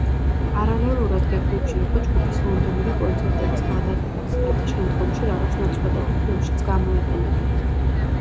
პარალელურად გეგმებში იყო ჯგუფის ლონდონური კონცერტების გადაღებაც, რათა შემდგომში რაღაც ნაწყვეტები ფილმშიც გამოეყენებინათ.